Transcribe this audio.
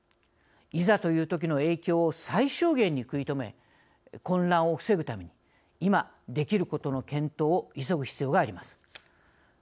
いざという時の影響を最小限に食い止め混乱を防ぐために今、できることの検討を急ぐ必要があります。